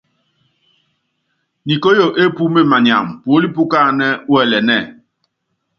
Nikóyo épúme manyama, puólí pukáánɛ́ wɛlɛnɛ́ɛ.